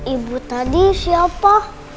ibu tadi siapa